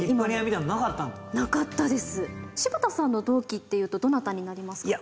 柴田さんの同期っていうとどなたになりますか？